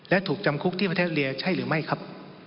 และถูกจำคุกที่ประเทศเรียใช่หรือไม่ครับ